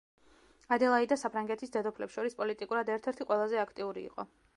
ადელაიდა საფრანგეთის დედოფლებს შორის პოლიტიკურად ერთ-ერთი ყველაზე აქტიური იყო.